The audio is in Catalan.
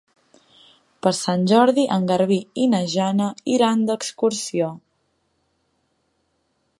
Per Sant Jordi en Garbí i na Jana iran d'excursió.